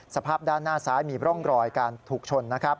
สภาพด้านหน้าซ้ายมีร่องรอยการถูกชนนะครับ